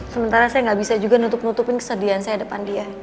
sementara saya nggak bisa juga nutup nutupin kesedihan saya depan dia